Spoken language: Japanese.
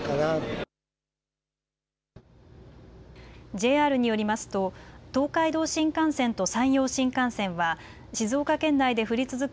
ＪＲによりますと東海道新幹線と山陽新幹線は静岡県内で降り続く